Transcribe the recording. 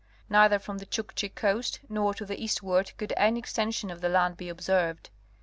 Neither from the Chukchi coast nor to the eastward could any extension of the land be observed.